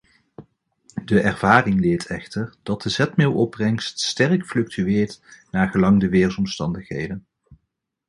De ervaring leert echter dat de zetmeelopbrengst sterk fluctueert naar gelang de weersomstandigheden.